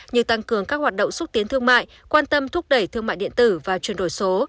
như tăng cường các hoạt động xúc tiến thương mại quan tâm thúc đẩy thương mại điện tử và chuyển đổi số